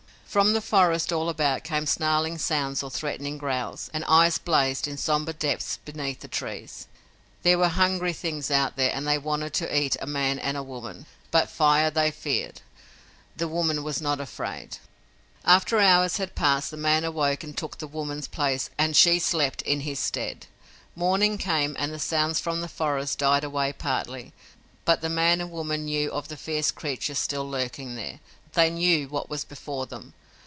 From the forest all about came snarling sounds or threatening growls, and eyes blazed in the somber depths beneath the trees. There were hungry things out there and they wanted to eat a man and woman, but fire they feared. The woman was not afraid. After hours had passed the man awoke and took the woman's place and she slept in his stead. Morning came and the sounds from the forest died away partly, but the man and woman knew of the fierce creatures still lurking there. They knew what was before them.